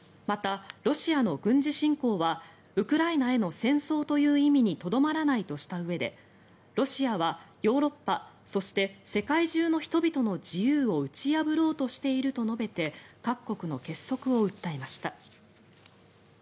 また、ロシアの軍事侵攻はウクライナへの戦争という意味にとどまらないとしたうえでロシアはヨーロッパそして、世界中の人々の自由を打ち破ろうとしていると述べて各国の結束を訴えました。